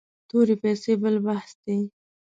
تورې پیسې بل بحث دی.